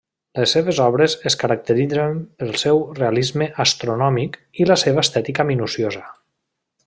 Les seves obres es caracteritzen pel seu realisme astronòmic i la seva estètica minuciosa.